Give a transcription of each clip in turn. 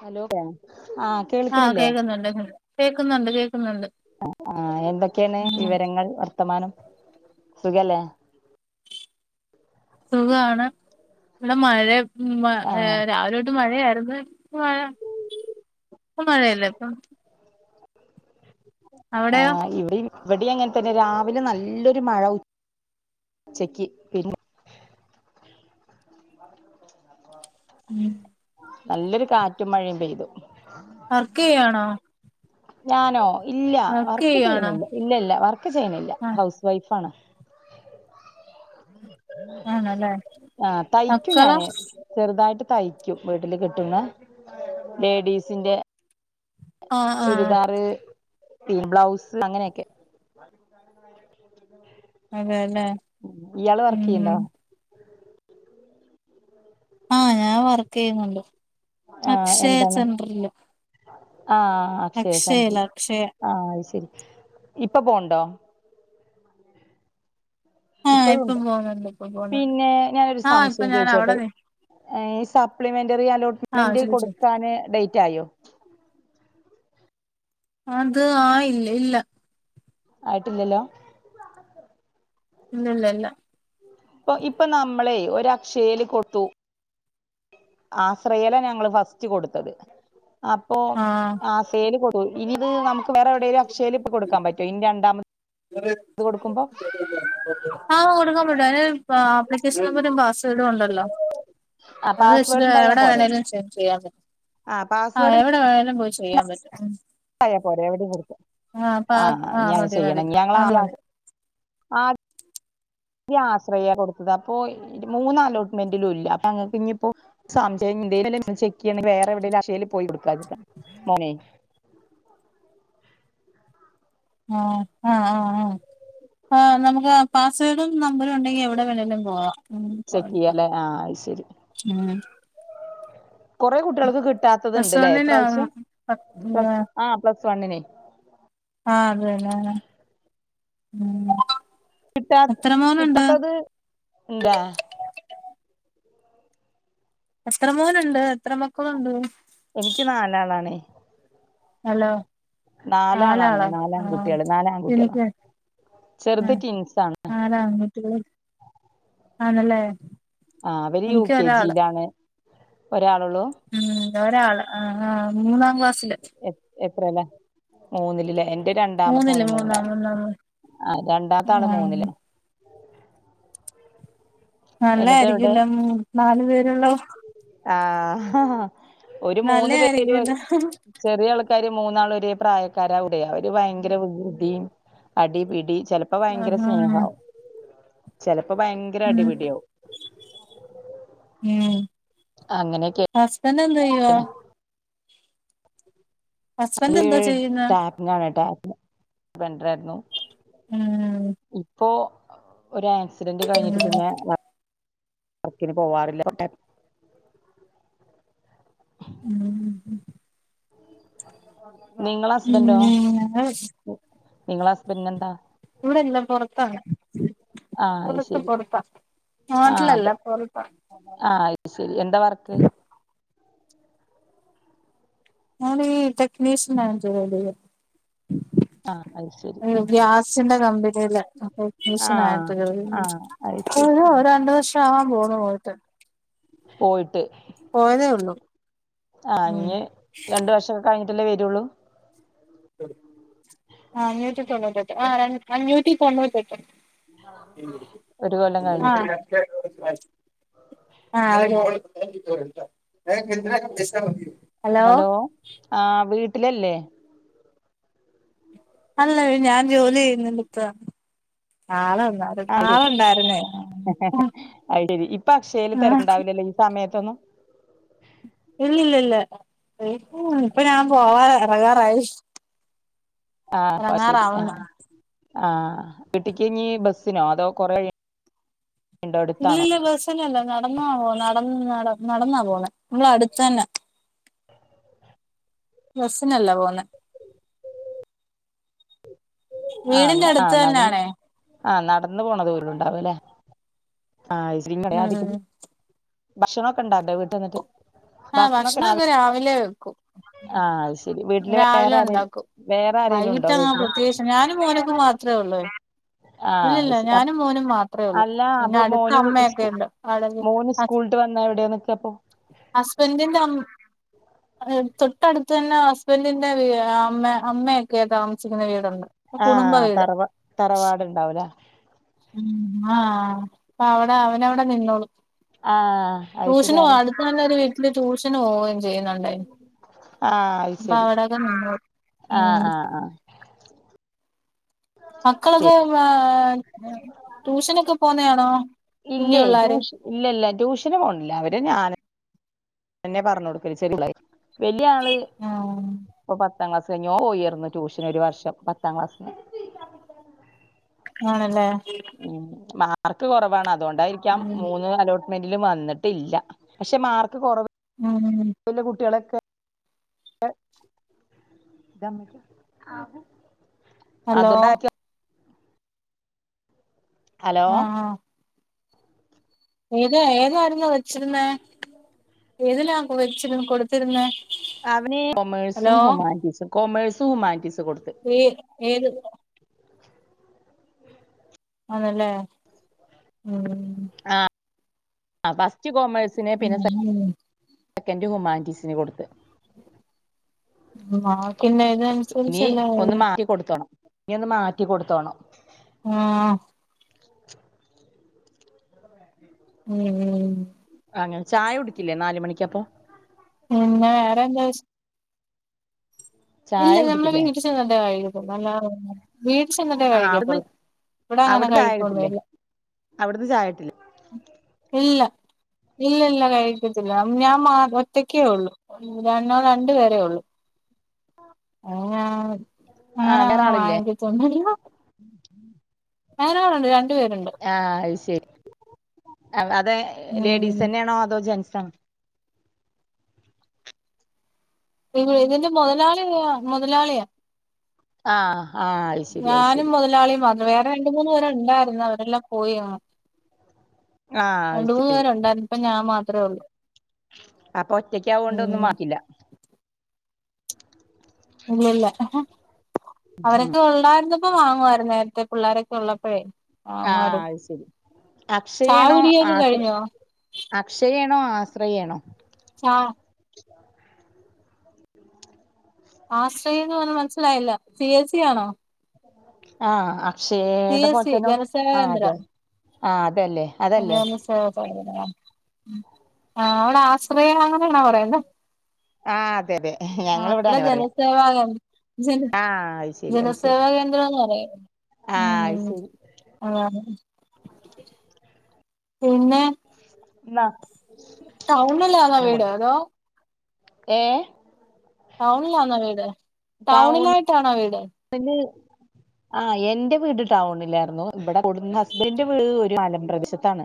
Hello ലെ ആഹ് ആഹ് കേൾക്കണില്ലേ കേക്കുന്നുണ്ട് കേക് കേക്കുന്നുണ്ട് കേക്കുന്നുണ്ട് ആഹ് എന്തൊക്കെയാണ് ഉം വിവരങ്ങൾ വർത്തമാനം സുഖല്ലേ സുഖാണ് ഇവടെ മഴ മാ ആഹ് രാവിലെ തൊ ട്ട് മഴയാര്ന്ന് ഇപ്പ മഴ ഇപ്പ മഴയല്ല ഇപ്പം അവിടെയോ ആഹ് ഇവിടെ ഇവിടേം അങ്ങനെ തന്നെ രാവിലെ നല്ലൊരു മഴ ഉച്ചക്ക് പിന്നെ ഉം നല്ലൊരു കാറ്റും മഴയും പെയ്തു വർക്ക്‌ ചെയ്യാണോ ഞാനോ ഇല്ല വർക്ക് ചെയ്യുന്നില്ല ഇല്ല ഇല്ല വർക്ക് ചെയ്യണില്ല ആഹ് ഹൗസ് വൈഫ് ആണ് ആണല്ലേ അഹ് തയ്ക്കും മക്കളോ ഞാന് ചെറുതായിട്ട് തയ്ക്കും വീട്ടില് കിട്ടുന്ന ലേഡീസിന്റെ ആഹ് ആഹ് ചുരിദാർ തീൻ ബ്ലൗസ് അങ്ങനെയൊക്കെ അതെല്ലേ ഇയാള് ഉം വർക്കയ്യ്ണ്ടോ ആഹ് ഞാൻ വർക്ക് ചെയ്യുന്നുണ്ട് ആഹ് അക്ഷയ എന്താണ് സെന്ററല് ആഹ് അക്ഷയ സെന്റർ അക്ഷയ ആഹ് അത് ശരി ഇപ്പൊ പോണ്ടോ ആഹ് ഇപ്പഴും ഇപ്പം ഉണ്ടോ പോന്ന പിന്നെ ഞാനൊരു സംശയം അവിടെ ചോദിച്ചോട്ടെ നി ഈ സപ്ലിമെന്ററി ആഹ് അലോട്ട്മെന്റ് ചോദിച്ചോ കൊടുക്കാൻ ഡേറ്റ് ആയോ അത് ആയില്ല ഇല്ല ആയിട്ടില്ലല്ലോ ഇല്ല ഇല്ല ഇല്ല ഇപ്പൊ ഇപ്പൊ നമ്മളെ ഒരു അക്ഷയില് കൊത്തു ആശ്രയല ഞങ്ങള് ഫസ്റ്റ് കൊടുത്തത് അപ്പൊ ആഹ് ആ ഏൽ കൊടു ഇനി ഇത് നമക്ക് വേറെ എവിടേലും അക്ഷേൽ ഇപ്പൊ കൊടുക്കാൻ പറ്റോ ഇനി രണ്ടാമത് [unintelligible] കൊടുക്കുമ്പോ ആഹ് കൊടുക്കാൻ പറ്റു അയിന് ആപ്ലിക്കേഷൻ നമ്പരും പാസ്സ്‌വേർഡും ഒണ്ടല്ലോ ആ അത് വെച്ചട്ട് പാസ്വേഡ് ഉണ്ടായാ എവട പോരെ വേണേലും ചെ ചെയ്യാൻ പ ആ ആഹ് പാസ്വേഡ് എവട വേണേലും പോയി ചെയ്യാൻ പറ്റും ഉം ആയാ പോരെ എവിടി കൊടുക്ക ആഹ് ഇഞ്ഞി മതി മതി ചെയ്യണം അത് ഞങ്ങളാദ്യ മതി ആ ദ്യ ആശ്രയ കൊടുത്തത് അപ്പൊ മൂന്ന് അലോട്ട്മെന്റിലും ഇല്ല അപ്പൊ അങ്ങക്ക് ഇഞ്ഞി ഇപ്പോ സംശയം ഇഞ്ഞി ഇതീലനെ ചെക്ക് ചെയ്യണെങ്കി വേറെ എവിടേലും അക്ഷയിൽ പോയി കൊടുക്കാച്ട്ടാ മോനെ ആഹ് ആഹ് ആഹ് ആഹ് ആഹ് നമക്ക് പാസ്വേഡും നമ്പറും ഉണ്ടെങ്കിൽ എവിടെ വേണലും പോവാ ഉം ചെക്ക് കോട്ക്ക ചെയ്യാലേ ആഹ് അത് ശരി ഉം കുറെേ കുട്ടികൾക്ക് പ്ലസ് കിട്ടാത്തത്ണ്ട്ല്ലേ വണ്ണിന് ആഹ് ഇപ്രാവശ്യം പ്ലസ് ആഹ് പ്ലസ് വണ്ണിന് ആഹ് അതേല്ലേ ഉം കിട്ടാ എത്ര മോനുണ്ട് കിട്ടാത്തത് എന്താ എസ്ക്ര മോനുണ്ട് എത്ര മക്കളുണ്ട് എനിക്ക് നാലാളാണ് ഹലോ നാലാളാണ് നാലാളോ ആഹ് നാലാൺകുട്ടികള് നാലാൺകുട്ടികളാ എനിക്ക് ചെറുത് ഉം ട്വിൻസാണ് നാലാൺകുട്ടികള് ആണല്ലേ ആഹ് അവര് യു എനിക്ക് കെ ഒരാള് ജിയിലാണ് ഒരാളള്ളൂ ഉം ഒരാള് മൂന്നാം ക്ലാസ്സില് എ എത്രലാ മൂന്നിലിലേ ഇന്റെ രണ്ടാമത്തെ മൂന്നില് മോന് മൂന്നാം മൂന്നാണ് മൂന്നാം ആ രണ്ടാമത്തെ ആള് ആ മൂന്നില് എന്നിട്ട് നല്ലായിരിക്കുംല്ല നാലു പേരുള്ള ആഹ ഒരു മൂന്ന് പേര് നല്ലായിരിക്കുല്ലോ ചെറിയ ആൾക്കാര് മൂന്നാൾ ഒരേ പ്രായക്കാര അവിടെ അവര് ഭയങ്കര ബുദ്ധിയ അടിപിടി ചിലപ്പോ ഭയങ്കര ആഹാ സ്നേഹമാവും ചിലപ്പോ ഭയങ്കര ഉം അടിപിടി ആവും ഉം അങ്ങനെ ഹസ്ബൻഡ് എന്തേയുവാ ഹസ്ബൻഡ് അ എന്തോ ചെയ്യുന്നെ ടാപ്പിംഗ ആണ് ടാപ്പി ബണ്ടറായിരുന്നു ഉം ഇപ്പോ ഒരു ആക്സിഡന്റ് കഴിഞ്ഞിട്ട് പിന്നെ വർക്കിന് പോവാറില്ല ഉം നിങ്ങള ഉം ഹസ്ബൻ്റോ നിങ്ങളെ ഹസ്ബൻ്റിന് എന്താ ഇവിടെല്ലാം പൊറത്താണ് ആഹ് അത് ശരി [unintelligible] ആഹ് നാട്ടിലല്ല അപ്പൊ പൊറത്ത ആഹ് അത് ശരി എന്താ വർക്ക് ഞാനീ ടെക്നീഷ്യൻ ആയിട്ടു ജോലി ചെയ്യാ ആഹ് അത് ശരി ഗ്യാസിന്റെ കമ്പനിൽ ടെക്നീഷ്യൻ ആഹ് ആയിട്ട ജോലി ചെ ആഹ് അത് ശരി ആഹ് പോന്ന പോയിട്ട പോയിട്ട് പോയതേ ഒള്ളു ആഹ് ഇഞ് രണ്ടു വർഷൊക്കെ കഴിഞ്ഞിട്ടല്ലേ വരുള്ളൂ ആഹ് അഞ്ഞൂറ്റി തൊണ്ണൂറ്റി എട്ട് ആഹ് അഞ്ഞൂറ്റി തൊണ്ണൂറ്റ എട്ട് ഒരു കൊല്ലം കഴിഞ്ഞിട്ട് ആഹ് ആഹ് ഹലോ ആഹ് വീട്ടിലല്ലേ അല്ല ഞാൻ ജോലി ചെയ്യുന്നണ്ട് ഇപ്പ ആളന്നാ ആഹ് അയ്ശരി ഇപ്പ അക്ഷേൽ ആ തിരക്കണ്ടാവില്ലല്ലോ ഈ സമയത്തൊന്നും ഇല്ല ഇല്ല ഇല്ല ഇപ്പ ഞൻ പോവാ ഇറകാറായി ആഹ അപ്പ ശരി ആഹ് ആഹ വീട്ടക്ക്ഞ്ഞ ബസിനോ അതോ കൊറെ ഇല്ല ഇല്ല ബസ്സല്ലല്ല നടന്നാ പോ നടന്ന നട നടന്നാ പോണെ നമ്മള അടുത്തതന്നെ ബസ്സിനല്ല പോന്ന ആഹ് വീടിന്റെ ആഹ് നട അട്ത്ത്ന്നെണേ ആഹ് നടന്ന് പോണ ദുരണ്ടാവലെ ആഹ് ഇശീ ഉം [unintelligible] ഭക്ഷണ ഒക്കെ ഇണ്ടണ്ടെ വീട്ട് ന്നിട്ട് ആഹ് ഭക്ഷണൊക്കെ രാവിലെ വെക്കും ആഹ് അത് ശരി വീട്ടില് വേറെ രാവിലെ ആരെ ഉണ്ടാക്കും വേറെ ആരേലും ഉണ്ടോ വൈകിട്ടങ്ങനെ വീട്ടില് പ്രത്യേകിച്ച് ഞാനും മോനക്കെ മാ അത്രേ ഉള്ളൂ ആഹ് അത് ഇല്ലല്ല ശരി അപ് ഞാനും മോനും മാത്ര ഒള്ളൂ അല്ല പിന്നെ അപ്പൊ അട്ത്ത അമ്മയെക്കണ്ട് അ ട്ട് വന്ന എവിടെ നിക്കപ്പോ ഹസ്ബൻഡ്ന്റെ അ തൊട്ടട്ത്ത് അന്നെ ഹസ്ബന്റിന്റെ അമ്മ അമ്മയെക്കെ താമസിക്ക്ന്ന വീട്ണ്ട് ആഹ് തറവാ തറവാട്ണ്ടാവൂലേ ഉം ആഹ് അപ്പ അവിടെ അവനവിടെ നിന്നോളു ആഹ് അയ് ശരിയാണ് [unintelligible] വീട്ടില് ട്യൂഷന് പോ ചെയ്യ്ന്നോണ്ടെ ആഹ് അത് അപ്പ ശരി അവിടൊക്കെ ആഹ് ആഹ് ആഹ് മക്കളൊക്ക ട്യൂഷനൊക്കെ പോന്നഅണോ ഇല്ലേ ട്യൂഷ് ഇല്ല ഇല്ല ട്യൂഷന് പോൺല്ല അവര് ഞാൻ എന്നെ പറഞ്ഞ് ഒട്ക്കല് [unintelligible] വെല്ല്യ ആള് ആഹ് ഇപ്പ പത്താ ക്ലാസ് കയ്ഞ്ഞോ ഒ പോയിർന്ന് ട്യൂഷന് ഒര് വർഷം പത്താ ക്ലാസ്സിന് ആണല്ലേ ഉം മാർക്ക് കൊറവാണ് അതൊണ്ടായിരിക്കാം ഉം മൂന്ന് അലോട്ട് മെൻ്റിലും വന്ന്ട്ടില്ല പഷേ മാർക്ക്‌ കൊറവ് ആണ് ഇല്ലെ കുട്ട്യേളൊക്കെ [unintelligible] ഹലോ അതൊണ്ടാ [unintelligible] ഹലോ ആഹ് ആഹ് ഏത ഏതായിര്ന്ന് വെച്ചിര്ന്നേ ഏതിലാ വെച്ചിരന്ന കൊട്ത്തിര്ന്നെ? അവനീ കൊമേഴ്സും ഹുമാൻറ്റീസും കൊമേഴ്സും ഹുമാൻറ്റീസും കൊട്ത്ത് ഏഹ് ഏത് അതെല്ലേ ഉം ആഹ് ഫസ്റ്റ് കോമേഴ്സിന് പിന്നെ സെ സെക്കന്റ് ഹുമാൻ്റീസിന് കൊട്ത്ത് മാർക്കിന്റെ ഇനീ ഇതനുസരിച്ചല്ലേ ഒന്ന് മാറ്റി കൊട്ത്തോണം ഇനി ഒന്ന് മാറ്റി കൊട്ത്തോണം ആഹ് ഉം ഉം അങ്ങനെ. ചായ കുടിക്കില്ലേ നാല് മണിക്കപ്പൊ പിന്നെ വേറെന്താ വിഷ് ചായ ഇല്ല നമ്മളെ കുടിക്കില്ലേ വീട്ടി ചെന്നിട്ടെ കഴിക്കത്തൊള്ളൂ. അല്ലാതെ [unintelligible] വീട്ടി ചെന്നിട്ടേ ആ അവിടുന്ന് കഴിക്കത്തോള്ളൂ ഇവിടെ അങ്ങനെ അവിടുന്ന് ചായ കിട്ടില്ലേ കഴിപ്പൊന്നൂല്ല അവിടുന്ന് ചായ കിട്ടില്ലേ ഇല്ല ഇല്ല ല്ല കഴി കത്തില്ലാ. ഞാൻ ഞാൻ മാ ഒറ്റക്കേ ഒള്ളൂ രണ്ടോ രണ്ട് പേരേ ഒള്ളൂ [unintelligible] ആ വേറെ അങ്ങനെമ്മള് ആളില്ലേ വാങ്ങിക്കത്തൊന്നുല്ല [unintelligible] രണ്ട് പേര്ണ്ട് ആഹ് അയ് ശരി. അത അതെ ഉം ലേഡീസെന്നെണോ അതോ ജെന്റ്സണോ ഇ ഇതിന്റെ മൊതലാളിയാ മൊതലാളിയാ ആഹ് ഞാനും മൊതലാളിയും മാത്രം. വേറെ രണ്ട് മൂന്ന് പേര് ഇണ്ടാര്ന്ന് അവരെല്ലാം പോയി ആഹ് ആ അത് രണ്ട് മൂന്ന് ശരി പേര് ഉണ്ടാര്ന്ന്. ഇപ്പ ഞാൻ മാത്ര ഒള്ളൂ അപ്പൊ ഒറ്റക്കാവൊണ്ടൊന്നും മാറ്റില്ല ഇല്ലല്ല അവരൊക്കെ ഒള്ളായ്ര്ന്ന പ്പം വാങ്ങുവായിരുന്നെ നേരത്തെ പിള്ളോരൊക്കെ ഉള്ളപ്പെഴേ ആഹ് അത് ശരി ചായ അക്ഷയാണോ കുടിയൊക്കെ ആത്ര കഴിഞ്ഞോ അക്ഷയേണോ ആശ്രയേണോ? ആഹ് ആശ്രയംന്ന് പറഞ്ഞത് മനസ്സിലായില്ല പി എസി ആണോ ആഹ് സി അക്ഷയേടെ എസ് പോലെ സി തന്നെ ജനസേവാ ആഹ് അതെ ആഹ് അതല്ലേ അതെ അതല്ലേ അതെ സേവ സേവാ ന്നാ. ആഹ് അവിടെ ആശ്രയാ അങ്ങനാണോ പറയ്ന്നേ ആഹ് അതെതെ ആഹ് ഇവിടെ ജനസേവാ കേ ജന ആഹ് അത് ശരി അത് ശരി ജനസേവാ കേന്ദ്രംന്ന് പറയും. ആഹ് അത് ശരി. ആഹ്. പിന്നെ ന്നാ ടൗണിലാന്നോ വീട് അതോ ഏഹ്? ടൗണിലാന്നോ വീട്? ടൗണില് ടൗണിലായിട്ടാണോ വീട്? [unintelligible] ആഹ് എന്റെ വീട് ടൗണിലായിരുന്നു ഇവിടെ കൂടുന്ന ഹസ്ബന്റെ വീട് ഒരു മലം പ്രദേശത്താണ്.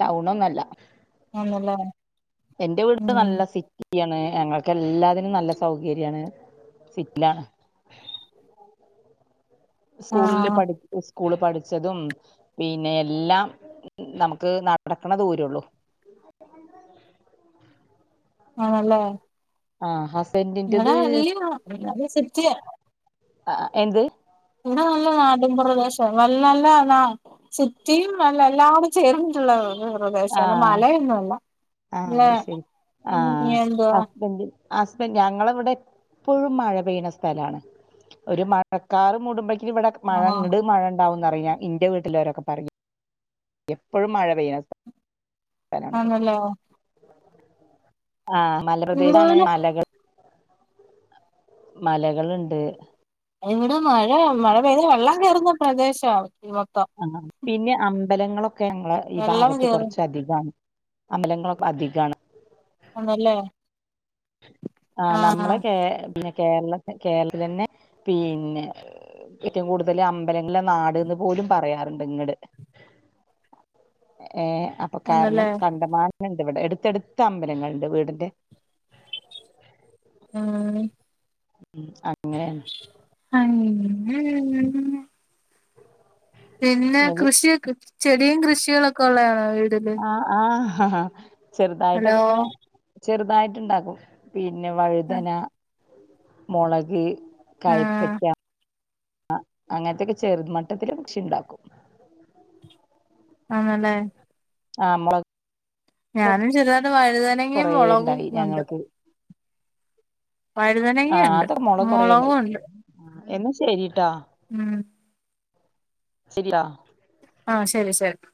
ടൗണൊന്നല്ല ആണല്ലേ എന്റെ വീട് ഉം നല്ല സിറ്റി റ്റിയാണ് ഞങ്ങൾക്ക് എല്ലാത്തിനും നല്ല സൗകര്യണ് സിറ്റിലാണ്. സ്കൂളില് ആഹ് പഠി സ്കൂളി പഠിച്ചതും പിന്നെ എല്ലാം നമുക്ക് നടക്കണ ദുരുള്ളു. ആണല്ലേ? ആഹ് ഹസ്ബൻ്റിൻ്റത് ഇവിടെ വല്യ നല്ല സിറ്റിയാ ആഹ് എന്ത്? ഇവിട നല്ല നാട്ടിൻ പ്രദേശവാ നല്ല നല്ല നാ സിറ്റിയും അല്ല എല്ലാടും ചേർന്നിട്ടുള്ള ത പ്രദേശല്ല ആഹ് ആഹ് മലയൊന്നുല്ല അത് ശരി പിന്ന എന്തുവാ? ഹസ്ബൻ്റ് ഞങ്ങള ഇവിടെ എപ്പോഴും മഴ പെയ്യണ സ്ഥലാണ്. ഒരു മഴക്കാർ മൂടുമ്പോഴേക്കും ഇവിടെ മഴ ആഹ് ഇങ്ങിട് മഴ ഉണ്ടാവുംന്ന്റിയില്ല ഇന്റെ വീട്ടിലോരൊക്കെ പറയു എപ്പോഴും മഴ പെയ്യു സ്ഥലാണ് ഇവിടേ ആണല്ലേ ആഹ് ഇവിടെ മലപ്രദേശാണ് പിന്നെ മലകൾ മലകളിണ്ട് ഇവിടെ മഴ മഴ പെയ്ത വെള്ളം കേറുന്ന പ്രദേശാ മൊത്തം. ആഹ് പിന്നെ അമ്പലങ്ങളൊക്കെ ഞങ്ങളെ ഈ വെള്ളം ഭാഗത്ത് കേറി കുറച്ച് അധികാണ്. അമ്പലങ്ങളൊക്കെ അധികാണ് ആണല്ലേ? ആഹ് നമ്മളെ കേ കേര പിന്നെ കേരള കേരളത്തി തന്നെ പിന്നെ? ഏറ്റവും കൂടുതല് അമ്പലങ്ങള് ള്ളനാട്ന്ന് പോലും പറയാറുണ്ട് ഇങ്ങട് ഏഹ് ഉണ്ടല്ലേ കാരണം കണ്ടമാന്ണ്ട് ഇവിടെ എടുത്തെടുത്ത് അമ്പലങ്ങളുണ്ട് വീടിന്റെ ആയീ. ഉം അങ്ങനെണ് അങ്ങ് പിന്നെ ന്നത് കൃഷിയൊക്കെ ചെടിയും കൃഷികളൊക്കെ ഉള്ളയാണോ വീടില്? ആഹ് ആഹ ആഹ്. ചെറുതായിട്ടൊക്കെ ഇങ്ങനെ ചെറുതായിട്ട് ഇണ്ടാക്കും പിന്നെ വഴുതന മൊളക് ആഹ് കയ്പ്പക്ക അങ്ങനത്തൊക്കെ ചെറുത് മട്ടത്തില് കൃഷി ഇണ്ടാക്കും ആണല്ലേ. ആ മ്മോള് ഞാനും ചെറതാട്ട് വഴുതനങ്ങയും കൊറേ മൊളകും ഉണ്ടായി നണട് ഞങ്ങൾക്ക് ആഹ് വഴുതനങ്ങയുണ്ട് അതൊക്ക മൊളക് മുളകും കൊറേണ്ടയിന്നു ഉണ്ട് എന്നാ ശരിട്ടാ ഉം ശരിയാ ആഹ് ശരി ശരി